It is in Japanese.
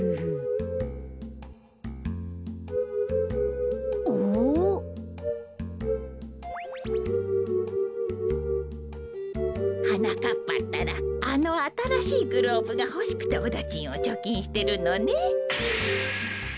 こころのこえはなかっぱったらあのあたらしいグローブがほしくておだちんをちょきんしてるのね。